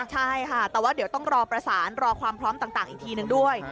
ใช่ค่ะแต่ว่าเดี๋ยวต้องรอประสานรอความพร้อมต่างอีกทีหนึ่งด้วย